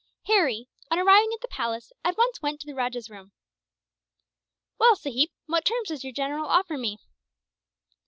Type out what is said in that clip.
Harry, on arriving at the palace, at once went to the rajah's room. "Well, sahib, what terms does your general offer me?"